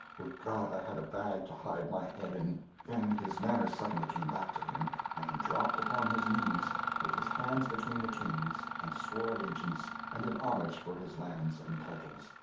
Would God I had a bag to hide my head in!" Then his manners suddenly came back to him, and he dropped upon his knees, with his hands between the King's, and swore allegiance and did homage for his lands and titles.